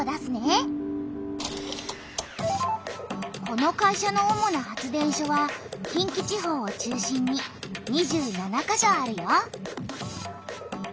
この会社の主な発電所は近畿地方を中心に２７か所あるよ。